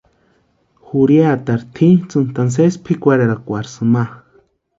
Jurhiatarhu tʼitsintʼani sési pʼikwarherasïni ma.